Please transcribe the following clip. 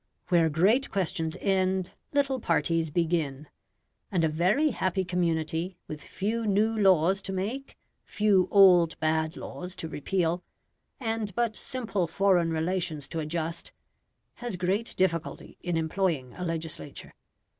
Where great questions end, little parties begin. And a very happy community, with few new laws to make, few old bad laws to repeal, and but simple foreign relations to adjust, has great difficulty in employing a legislature.